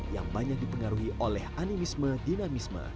yang banyak dipengaruhi oleh animisme dinamisme